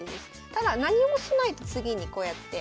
ただ何にもしないと次にこうやって。